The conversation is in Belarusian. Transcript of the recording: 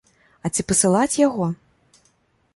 А ці пасылаць яго?